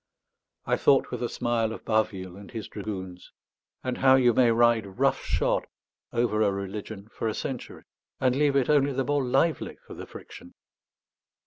I thought with a smile of Bâvile and his dragoons, and how you may ride rough shod over a religion for a century, and leave it only the more lively for the friction.